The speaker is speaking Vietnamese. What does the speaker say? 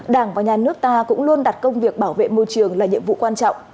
đảng và nhà nước ta cũng luôn đặt công việc bảo vệ môi trường là nhiệm vụ quan trọng